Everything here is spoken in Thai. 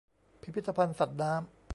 พิพิธภัณฑ์สัตว์น้ำ